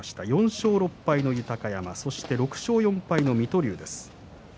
４勝６敗の豊山６勝４敗の水戸龍です。